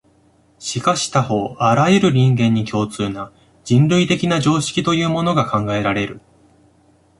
しかし他方、あらゆる人間に共通な、人類的な常識というものが考えられる。